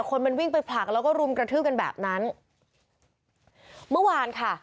คนมันวิ่งไปผลักแล้วก็รุมกระทืบกันแบบนั้นเมื่อวานค่ะ